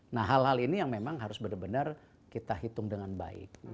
nah hal hal ini yang memang harus benar benar kita hitung dengan baik